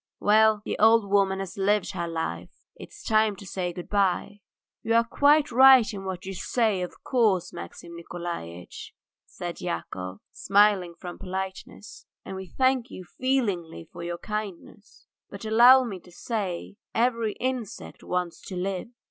"Well, the old woman has lived her life, it's time to say good bye." "You are quite right in what you say, of course, Maxim Nikolaitch," said Yakov, smiling from politeness, "and we thank you feelingly for your kindness, but allow me to say every insect wants to live."